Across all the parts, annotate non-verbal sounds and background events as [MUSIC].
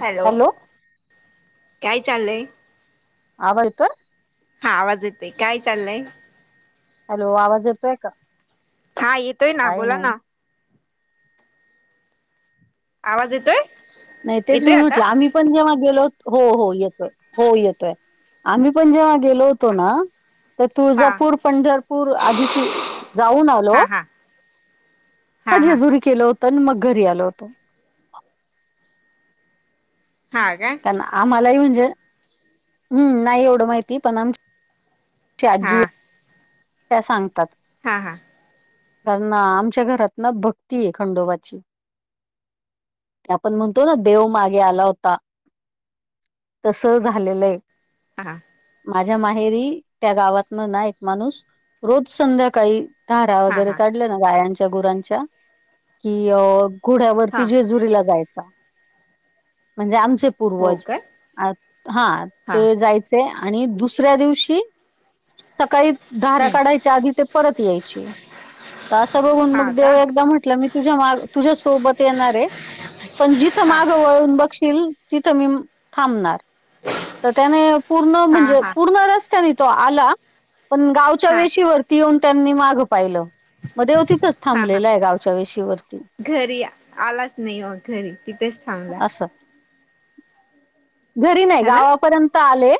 Hello! काय चाललंय? हा बैकन. हा आवाज येते काय चाललय? हॅलो! आवाज येतोय का? हा येतोय ना, काही बोला नाही ना. आवाज येतोय? नाही तेच येतोय मी आता म्हटलं आम्ही पण जेव्हा गेलोत हो हो येतोय हो येतोय आम्ही पण जेव्हा गेलोत ना तर हा तुळजापूर, पंढरपूर आधी जाऊन आलो. हा हा हा हा जेजुरी केलं होत आणि मग घरी आलो होतं.. हा काय कारण आम्हालाही म्हणजे हम् नाही एवढं माहिती पण आम हा आजजी. त्या सांगतात. हा हा. कारण ना आमच्या घरात ना भक्ती आहे खंडोबाची. आपण म्हणतो ना देव मागे आला होता. तस झालेलं आहे. हा. माझ्या माहेरी त्या गावातन ना एक माणूस रोज संध्याकाळी धारा हा वगैरे हा काढल्या ना गायांच्या गुरांच्या कि अ घोड्यावरती हा जेजुरीला जायचा म्हणजे आमचे हो पूर्वज काय हा ते जाय ते आणि दुसऱ्या दिवशी सकाळी धारा हम्म काढायच्या आधी ते परत यायचे. तर असं बघून मग हा का देव एकदा म्हटलं मी तुझ्या माग तुझ्यासोबत येणार आहे. पण जिथं हा मागं वळून बघ माग बघशील तिथे मी थांबणार तर त्यांन पूर्ण हा म्हणजे हा पूर्ण रस्ता तो आला पण गावच्या हा वेशीवररती येऊन त्यांनी माग पाहिलं. म देव तिथच हा हा थांबलेलं आहे गावच्या वेशीवर. घरी आलाच नाही वा घरी तिथेच थांबला. असं घरी नाही ह ना गावापर्यंत आले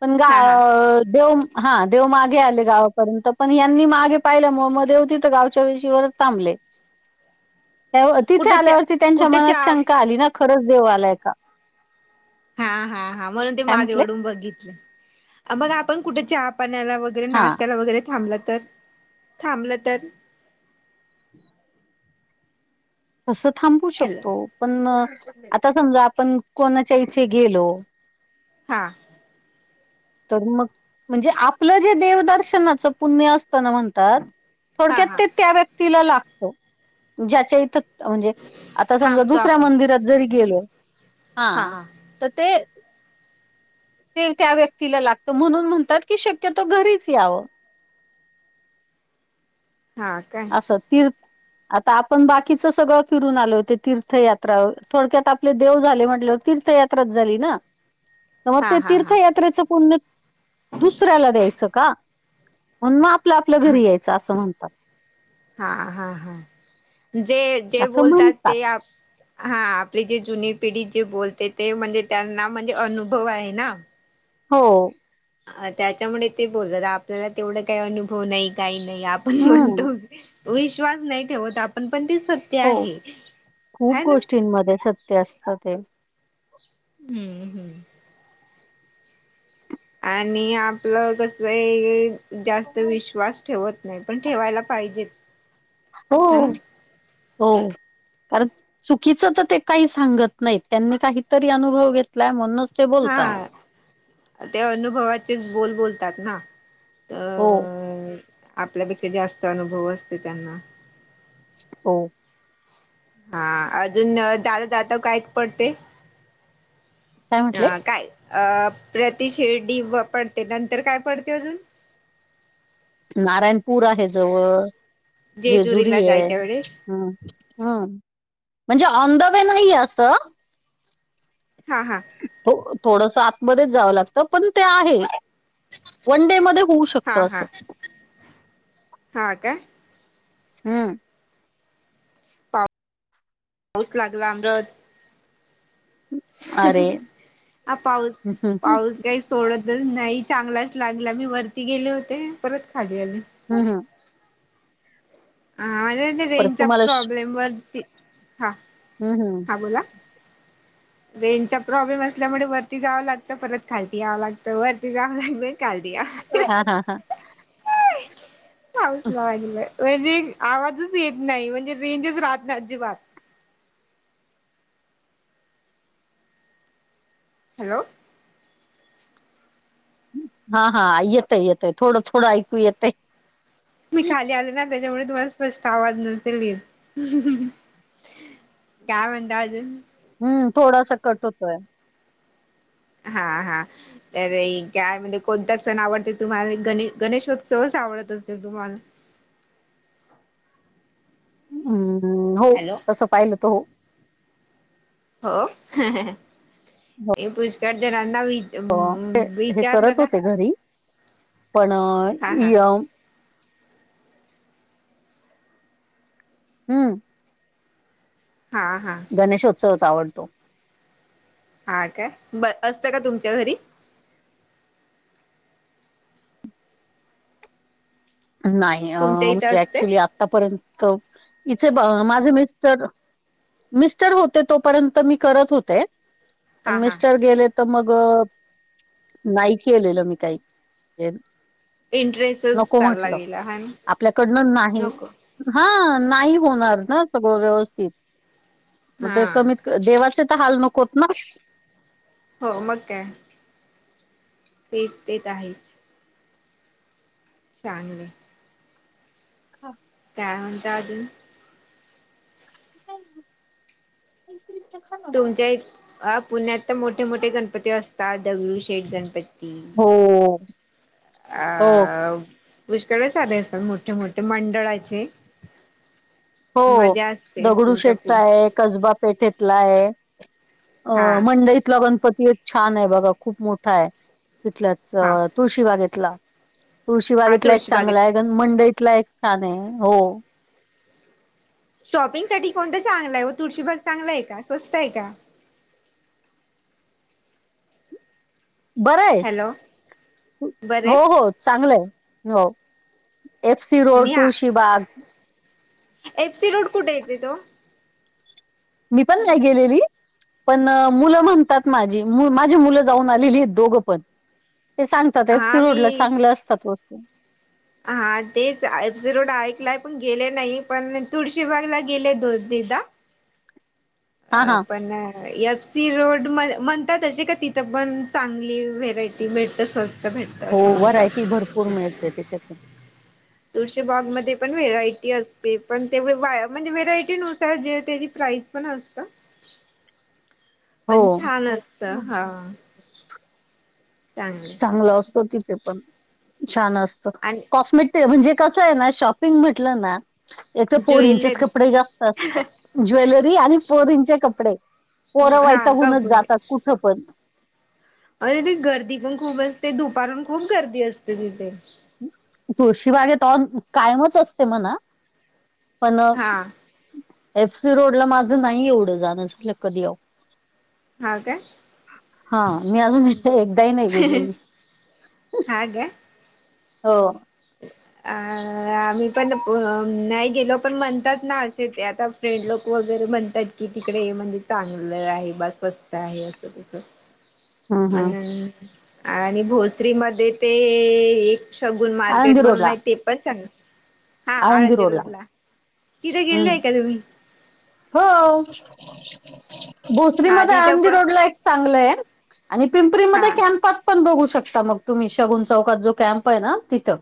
पण हा हा गा- देव हा. देव मागे आले गावापर्यंत पण यांनी मागे पाहिलं मग मग देव तिथं गावच्या विषीवरच थबले. [INAUDIBLE] त्या तिथे कुठे आल्यावरती त्यांच्या कुठे मनात चहा शंका आली ना खरंच देव आलाय का? हा हा हा म्हणून ते काय मागे म्हटले वडून बघितले. बग आपण कुठं चहा पाण्याला ब वगैरे हा नाश्त्याला वगैरे थांबलं तर थांबलं तर. तसं थांबू हॅलो शकतो पण आता समजा आपण कोणाच्या इथे गेलो. हा. तर मग म्हणजे आपलं जे देवदर्शनाचं पुण्य असताना म्हणतात हा थोडक्यात हा ते त्या व्यक्तीला लागतो, ज्याच्या इथं म्हणजे, आता समजा थांबतो दुसऱ्या आपण मंदिरात जरी गेलो, हा, तर ते ते त्या व्यक्तीला लागतं, म्हणून म्हणतात की शक्यतो घरीच यावं. हा. काय असं तीर्थ आता आपण बाकीचं सगळं फिरून आलो, ते तीर्थयात्रा, थोडक्यात आपले देव झाले, म्हटल्या वर तीर्थयात्रा तीर्थयात्राच झाली ना? तर मग हा ते हा हा तीर्थयात्रेचं पुण्य, दुसऱ्याला द्यायचं का? म्हणून मग आपल्या आपल्या घरी यायचं, असं म्हणतात. हा हा हा, जे जे असं बोलतात म्हणतात ते हा, आपली जे जुनी पिढी जे बोलते, ते म्हणजे त्यांना म्हणजे, अनुभव आहे ना. हो. अ त्याच्यामुळे ते बोलतात, आपल्याला तेवढा काही अनुभव नाही, काही नाही, आ आपण म्हणतो, हम्म, विश्वास नाही ठेवत आपण, पण दिसत हो, खूप गोष्टींमध्ये सत्य असत ते हम्म हम्म. आणि आपलं कस ये, जास्त विश्वास ठेवत नाही, पण ठेवायला पाहिजे हो, हो. कारण चुकीच तर ते काही सांगत नाहीत, त्यांनी काहीतरी अनुभव घेतलाय म्हणूनच ते बोलतात. हा, ते अनुभवाचेच बोल बोलतात ना. हो. हम्म. आपल्या [UNINTELLIGIBLE] अनुभव असतो त्यांना. हो. हा, अजून दादा दात काय पडते काय अ म्हटले? काय अ प्रतिशिर्डी पडते, नंतर काय पडते अजून? नारायणपूर आहे जवळ, जेजुरी जेजुरीला ये. जायच्या वेळेस हम्, म्हणजे ऑन द वे नाहीये असं. हा हा. थोडस आतमध्येच जावं लागत, पण ते आहे. वन डे मध्ये होऊ शकत हा हा असं. हा काय? हम. पाऊस लागला अमरद अरे! आ पाऊस, हं, हं. पाऊस काय सोडतच नाही, चांगलाच लागला, मी वरती गेले होते, परत खाली आली. हम हम. हा, म्हणजे परत रेंजचा तुम्हाला प्रॉब्लेम वरती, हा. हम् हम. हा बोला, रेंजचा प्रॉब्लेम असल्यामुळे वरती जावं लाग त, परत खालती यावं लागतं, वरती जावं लागत, खालती या हा हा हा. पाऊसला लागलाय, म्हणजे आवाजच येत नाही, म्हणजे रेंजच राहत नाही अजिबात. हॅलो? हां हां, येतय-येतय, थोडं-थोडं ऐकू येतय. मी खाली आले ना, त्याच्यामुळे तुम्हाला स्पष्ट आवाज नसल येत. काय म्हणता अजून? हम्, थोडासा कट होतोय. हां. हां. अरे काय म्हणजे कोणता सण आवडते तुम्हाला, गणे- गणेशोत्सवच आवडत असेल तुम्हाला. हम्म, हो हॅलो तसं पाहिलं तर हो. हो, हं हें, हे पुस्कळ जनांना व्हईल. अ ते हे करत होते घरी, पण हा हा हम्म. हां हां. गणेश ऊत्सवच आवडतो. हा काय, ब असतं का तुमच्या घरी? नाही अ तुमच्या इथं म्हणजे असते ऍक्च्युली आतापर्यंत, इथ माझे मिस्टर मिस्टर होते, तोपर्यंत मी करत होते. हा पण हा मिस्टर गेले तर, मग अ नाही केलेलं मी काही. इंटरेस्टच. नको चालला म्हटलं, गेला हा ना आपल्याकडनं नाही. नको हां नाही होणार ना सगळं व्यवस्थित, म ते हा कमीत देवाचे तर हाल नकोत ना? हो मग काय? तेच ते त आहेच. चांगलं. खा. काय म्हणता आजून? [UNINTELLIGIBLE] आईस्क्रीम तर खा. ना. तुमच्या इत पुण्यात त मोठे मोठे गणपती असतात, दगडू शेठ गणपती. हो ओ, हो. अ पुष्कळ [UNINTELLIGIBLE] साधे असतात मोठे मोठे मंडळाचे. हो मजा असते दगडू तुमच्या पु शेठचा ये, कसबा पेठेतला ये. अ हा मंडईतला गणपती एक छान ये बघा, खूप मोठा ये तिथल्याच, हा तुश तुळशी बागेतला, तुळशी हा बागेतला एक चांगलाये तुळशीबागेत गण मंडईतला एक छान ये, हॊ. शॉपिंग साठी कोणत चांगला ये व तुळशीबाग चांगला य का? स्वस्त य का? बरंय हॅलो बरे हो हो चांगलंय, हो. एफ सी रोड, मी हा तूळशिबाग. एफसी रोड, कुठे येते तो? मी पण नाही गेलेली. पण मुलं म्हणतात माझी, म-माझी मुलं जाऊन आलेली येत, दोघं पण. ते सांगतात, एफ सी हा रोड ला मी चांगल असतात वस्तू. हा तेच एफ सि रोड ऐकलाय, पण गेले नाही, पण तुळशीबागला गेले दोन तीनदा. हा आ हा पण ना. एफ सी रोड म-म्हणता तशी का तिथं, पण चांगली व्हेरायटी भेळते स्वस हो व्हरायटी भरपूर मिळते, तिथे पण. तुळशीबागमध्ये पण व्हेरायटी असते, पण तेव वाया म्हणजे व्हेरायटी नुसार जे त्याची प्राईज. पण असता. पण हो. छान असत हा हा. [UNINTELLIGIBLE] चांगलं असतो तिथे पण छान असत. आणि कॉस्मेट म्हणजे कसं आहे ना शॉपिंग म्हटलं ना! एक तर पोरींचेच ज्वेलरी कपडे जास्त असतात ज्वेलरी आणि पोरींचे कपडे. पोरं हा वैतागूनच कपडे जातात कुठं पण अ तिथे गर्दी पण खूप असते दुपार प खूप गर्दी असते तिथे. तुळशीबाग आहे त कायमच असते म्हणा. पण हा एफ सी रोड ला माझं नाही एवढं जाणं झालं कधी अव. हा काय हा मी अजून ब एकदाही नाही गेले. हा काय? हो! अ आम्ही पण अ नाही गेलो. पण म्हणतात ना असे ते आता फ्रेंड लोक वगैरे म्हणतात की तिकडे हे म्हणजे चांगलं आहे बसस्त. तर आहे असं तसं. हम्म हम्म म्हणून आणि भोसरीमध्ये ते एक शगून मार्केट आळंदी म्हून रोडला आहे ते पण चांगले. हा आळंदी रोडला तिथे हम्म गेल्लेय का तुम्ही. हो भोसरी हा मध्ये तिथं आळंदी पण रोड ला एक चांगलं आहे. आणि हा पिंपरीमध्ये कॅम्पात पण बघू शकता मग तुम्ही शगुन चौकात जो कॅम्प आहे ना तिथं.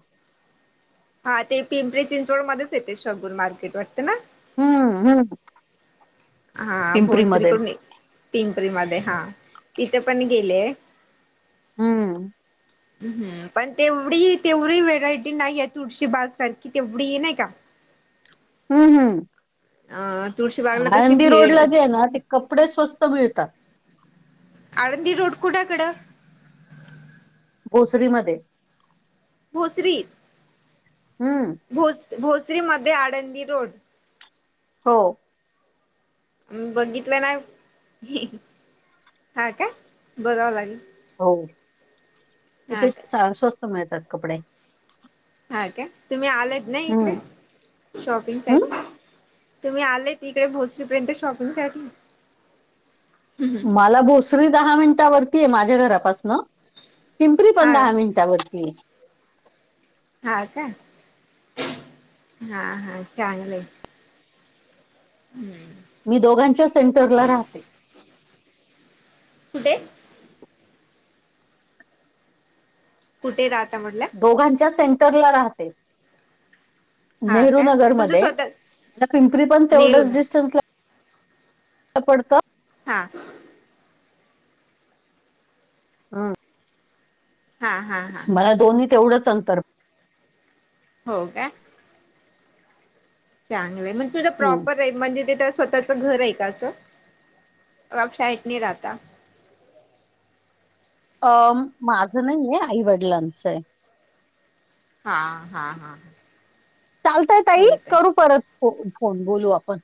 हा ते पिंपरी चिंचवड मध्येच येते शगुर मार्केटवर ना. हम्म हम्म! हा पिंपरीमध्ये भोसरीकडून पिंपरी मध्ये हे तिथे पण गेले. हम्म! म पण तेवढी तेवढी व्हेरायटी नाही आहे तुळची बाग सारखी तेवढी नाही का? हम्म हम्म! अ तुळशी बा आळंदी रोड ला जे आहे ना ते कपडे स्वस्त मिळतात. आळंदी रोड कुठ्याकडं? बोसरीमध्ये. भोसरी‌. हम्म! भोस- भोसरी मध्ये आळंदी रोड. हो! बघितलं नाय हा का बघवं लागेल. हो हा तिथे का स्वस्त मिळतात कपडे. हा का तुम्ही आलत ना हम्म इकडे शॉपिंग साठी. हम्म तुम्ही आलेय तिककडे भोजरीपर्यंत शॉपिंगसाठी. मला भोसरी दहा मिनिटावररती आहे माझ्या घरापासनं. पिंपरी पण हा दहा मिनिटावररतीये. हा का? हा हा चांगलं आहे हम्म! मी दोघांच्या सेंटरला राहते. कुठे? कुठे राहता म्हटलं? दोघांच्या सेंटरला राहते. हा नेहरू का तुमचं नगरमध्ये स्वतः म [UNINTELLIGIBLE] पिंपरी पण नेरून तेवढच डीस्टन्स- पडत. हा. हम्, हा हा हा मला दोन्ही तेवढंच अंतर- हो काय? चांगलं आहे, मग तुझा प्रॉपर- म्हणजे ते तिथ स्वतःच घर आहे का असं, बाप शाइटने [UNINTELLIGIBLE] राहता? अ.. माझं नाहीये, आईवडिलांचं आहे. हा, हा, हा, हा. चालतय ताई, हो काय करू परत फोन बोलू आपण.